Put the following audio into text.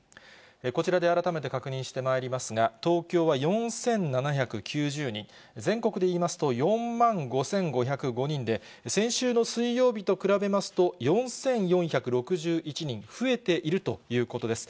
こちらで改めて確認してまいりますが、東京は４７９０人、全国でいいますと４万５５０５人で、先週の水曜日と比べますと、４４６１人増えているということです。